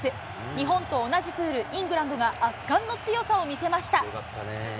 日本と同じプール、イングランドが圧巻の強さを見せました。